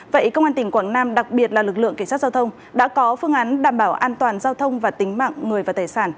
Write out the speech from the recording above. vậy công an tỉnh quảng nam đặc biệt là lực lượng cảnh sát giao thông đã có phương án đảm bảo an toàn giao thông và tính mạng người và tài sản